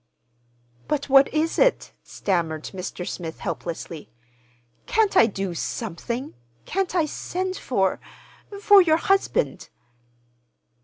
"But what is it?" stammered Mr. Smith helplessly. "Can't I do—something? Can't I send for—for your husband?"